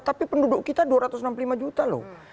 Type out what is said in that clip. tapi penduduk kita dua ratus enam puluh lima juta loh